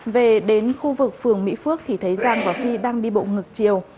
về đến khu vực phường mỹ phước thì thấy giang và phi đang đi bộ ngược chiều